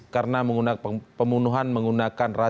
karena menggunakan pembunuhan menggunakan raci